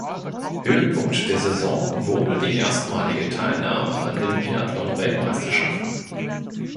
Höhepunkt der Saison wurde die erstmalige Teilnahme an den Biathlon-Weltmeisterschaften.